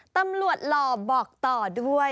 ตำรวจหล่อบอกต่อด้วย